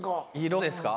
色ですか？